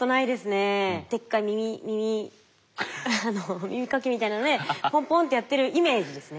でっかい耳かきみたいなのでポンポンってやってるイメージですね。